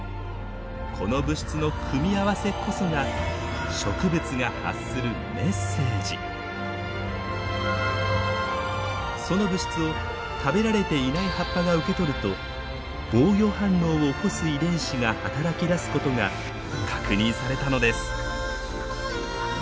この物質の組み合わせこそがその物質を食べられていない葉っぱが受け取ると防御反応を起こす遺伝子が働きだすことが確認されたのです。